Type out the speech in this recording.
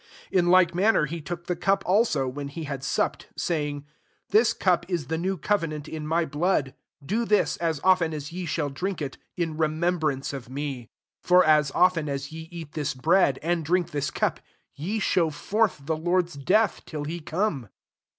'' 25 In like manner he took the cup also, when he had supped, say ing, " This cup is the new co venant in my blood: do this, as often as ye shall drink it. in remembrance of me." 26 For as often as ye eat this bread, and drink £^Ai*l cup, ye show forth the Lord^s death, till he come.